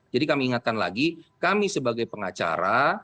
jadi kami ingatkan lagi kami sebagai pengacara